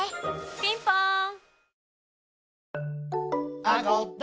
ピンポーン